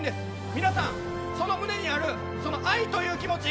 皆さん、その胸にある愛という気持ち